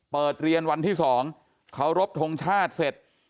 เปิดเรียนวันที่๒เคารพทงชาติเสร็จ